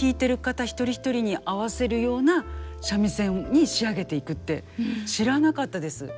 一人一人に合わせるような三味線に仕上げていくって知らなかったです。